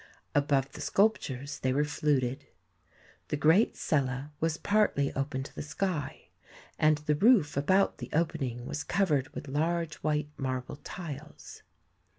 Above the sculptures they were fluted. The great cella was partly open to the sky, and the roof about the opening was covered with large white marble tiles.